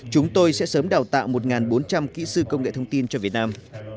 chúng tôi sẽ sớm đào tạo một bốn trăm linh kỹ sư công nghệ thông tin cho việt nam